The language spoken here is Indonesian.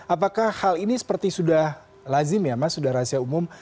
apakah hal ini seperti sudah lazim ya mas sudah rahasia umum